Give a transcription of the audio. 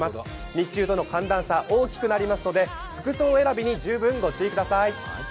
日中との寒暖差、大きくなりますので服装選びに十分ご注意ください。